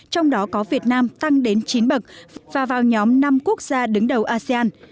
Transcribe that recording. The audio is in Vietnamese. trong đó có việt nam tăng đến chín bậc và vào nhóm năm quốc gia đứng đầu asean